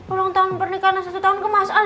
ulang tahun pernikahan satu tahun kemasan